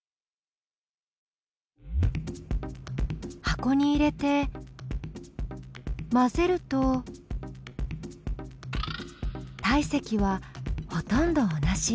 箱に入れて混ぜると体積はほとんど同じ。